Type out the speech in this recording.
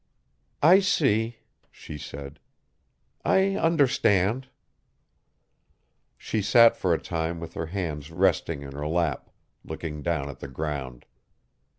"I see," she said. "I understand." She sat for a time with her hands resting in her lap, looking down at the ground.